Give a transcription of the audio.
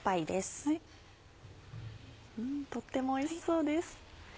とってもおいしそうです。